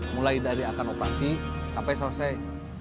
mulai dari akan operasi sampai selesai